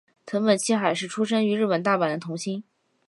藤本七海是出身于日本大阪的童星。